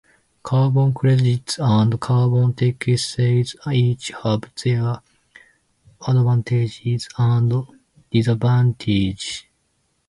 Carbon credits and carbon taxes each have their advantages and disadvantages.